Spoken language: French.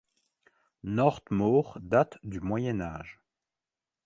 Nortmoor date du Moyen Âge.